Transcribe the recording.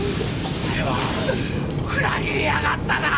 おまえは裏切りやがったな！